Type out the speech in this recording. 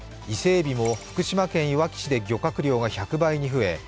伊勢えびも福島県いわき市で漁獲量が１００倍に増え